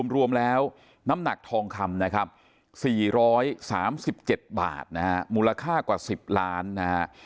รวมแล้วน้ำหนักทองคำ๔๓๗บาทมูลค่ากว่า๑๐ล้าน